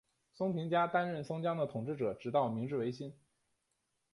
松平家担任松江的统治者直到明治维新。